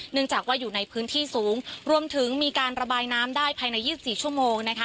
จากว่าอยู่ในพื้นที่สูงรวมถึงมีการระบายน้ำได้ภายใน๒๔ชั่วโมงนะคะ